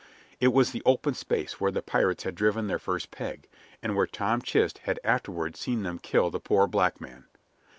It was the open space where the pirates had driven their first peg, and where Tom Chist had afterward seen them kill the poor black man.